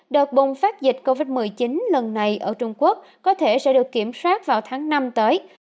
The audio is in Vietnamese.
đợt bùng phát dịch covid một mươi chín lần này ở trung quốc có thể sẽ được kiểm soát vào tháng năm tới